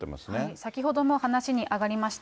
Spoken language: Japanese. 先ほども話に上がりました